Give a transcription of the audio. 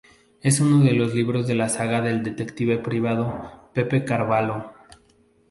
Es uno de los libros de la saga del detective privado Pepe Carvalho.